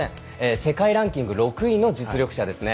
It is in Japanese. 世界ランキング６位の実力者ですね。